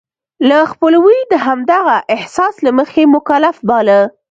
د خپلوی د همدغه احساس له مخې مکلف باله.